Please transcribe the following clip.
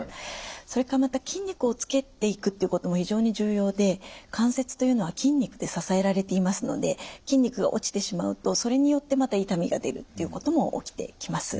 それからまた筋肉をつけていくっていうことも非常に重要で関節というのは筋肉で支えられていますので筋肉が落ちてしまうとそれによってまた痛みが出るっていうことも起きてきます。